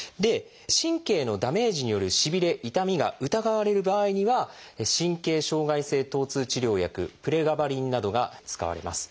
神経のダメージによるしびれ・痛みが疑われる場合には「神経障害性疼痛治療薬」が使われます。